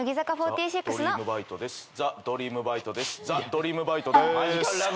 『ザ・ドリームバイト！』です。